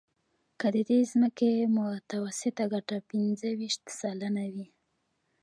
که د دې ځمکې متوسطه ګټه پنځه ویشت سلنه وي